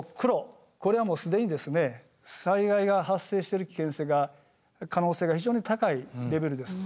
これはもう既に災害が発生してる危険性が可能性が非常に高いレベルです。